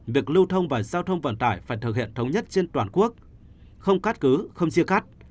việc lưu thông và giao thông vận tải phải thực hiện thống nhất trên toàn quốc không cắt cứ không chia cắt